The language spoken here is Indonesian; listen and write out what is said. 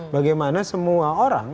bagaimana semua orang